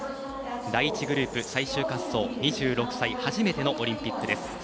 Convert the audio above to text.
第１グループ、最終滑走２６歳初めてのオリンピックです。